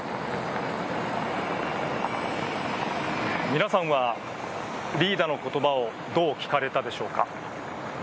皆さんはリーダの言葉をどう聞かれたでしょうか。